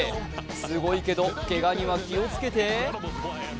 すごいけど、けがには気をつけて。